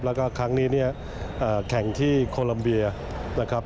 แล้วก็ครั้งนี้เนี่ยแข่งที่โคลัมเบียนะครับ